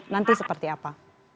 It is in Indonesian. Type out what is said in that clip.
nanti seperti apa